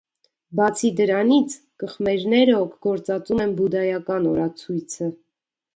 Բացի դրանից, կխմերները գործածում են բուդդայական օրացույցը։